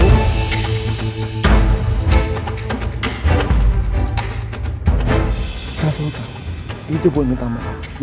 rasulullah itu gue yang ditamakan